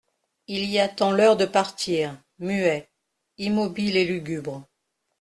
Il y attend l'heure de partir, muet, immobile et lugubre.